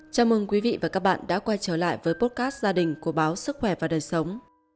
chào mừng quý vị và các bạn đã quay trở lại với potcast gia đình của báo sức khỏe và đời sống